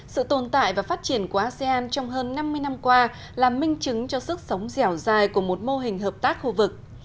sự tồn tại và phát triển của asean trong hơn năm mươi năm qua là minh chứng cho sức sống dẻo dài của một mô hình hợp tác khu vực